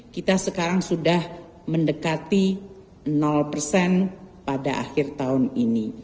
kita sekarang sudah mendekati persen pada akhir tahun ini